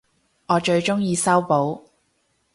我最鍾意修補